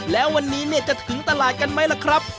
แล้ววันนี้จะถึงตลาดกันไหมล่ะครับ